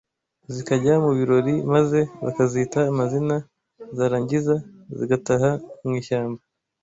zikajya mu birori maze bakazita amazina zarangiza zigataha mu ishyamba